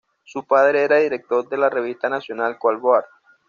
Su padre era editor de la revista National Coal Board.